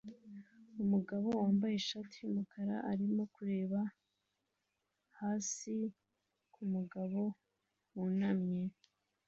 Umugabo wambaye ishati yumukara arimo kureba hasi kumugabo wunamye